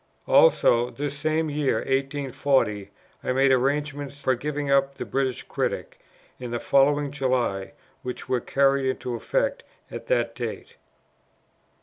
Also, this same year, 1840, I made arrangements for giving up the British Critic, in the following July, which were carried into effect at that date.